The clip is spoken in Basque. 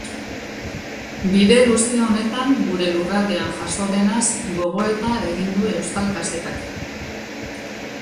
Bide luze honetan gure lurraldean jazo denaz gogoeta egin du euskal kazetak.